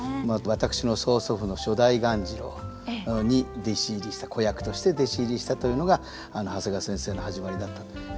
私の曽祖父の初代鴈治郎に弟子入りした子役として弟子入りしたというのが長谷川先生の始まりだったと。